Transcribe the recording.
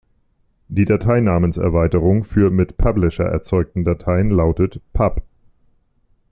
Die Dateinamenserweiterung für mit Publisher erzeugte Dateien lautet "pub".